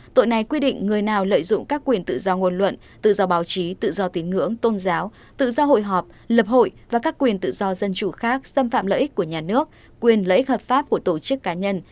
tội này quy định người nào lợi dụng các quyền tự do ngôn luận tự do báo chí tự do tín ngưỡng tôn giáo tự do hội họp lập hội và các quyền tự do dân chủ khác xâm phạm lợi ích của nhà nước quyền lợi ích hợp pháp của tổ chức cá nhân